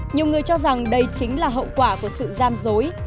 nhiều người cho rằng đây chính là hậu quả của sự gian dối